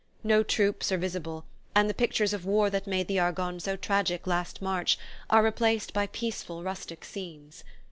No troops are visible, and the pictures of war that made the Argonne so tragic last March are replaced by peaceful rustic scenes.